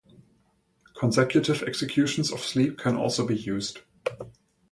Consecutive executions of sleep can also be used.